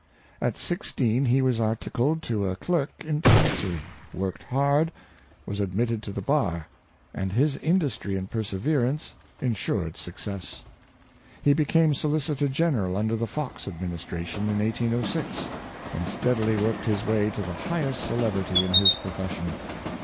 At sixteen he was articled to a clerk in Chancer}^; worked hard; was admitted to the bar; and his industry and perseverance insured success. He became Solicitor General under the Fox adminis tration in 1806, and steadily worked his way to the highest celebrity in his profession.